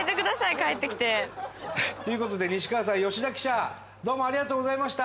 帰ってきて。という事で西川さん吉田記者どうもありがとうございました。